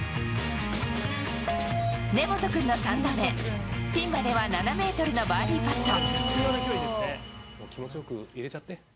根本君の３打目、ピンまでは７メートルのバーディーパット。